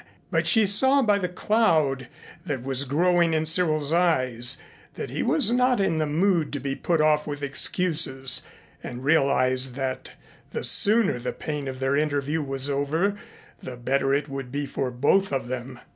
But she saw by the cloud that was growing in Cyril's eyes that he was not in the mood to be put off with excuses, and realized that the sooner the pain of their interview was over, the better it would be for both of them.